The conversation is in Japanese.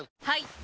はい！